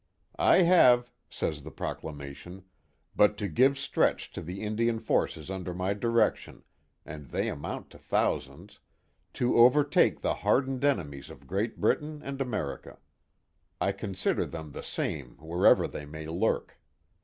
I have,'* says the proclamation, but to give stretch to the Indian forces under my direction, and they amount to thousands, to overtake the hardened enemies of Great Britain and America. I consider them the same where ever they may lurk."